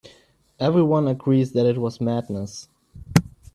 Everyone agrees that it was madness.